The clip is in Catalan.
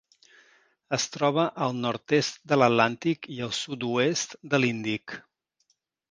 Es troba al nord-est de l'Atlàntic i el sud-oest de l'Índic.